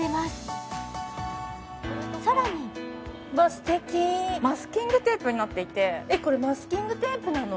素敵マスキングテープになっていてこれマスキングテープなの？